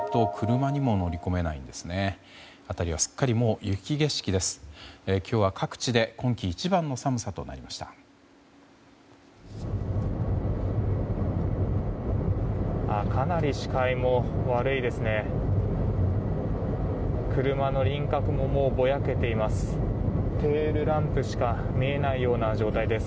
車の輪郭もぼやけています。